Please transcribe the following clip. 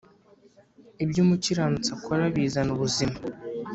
Ibyo umukiranutsi akora bizana ubuzima